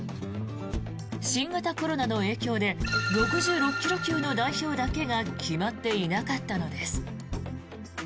新型コロナの影響で６６ｋｇ級の代表だけが決まっていなかったのです。